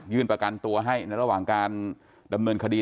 ประกันตัวให้ในระหว่างการดำเนินคดี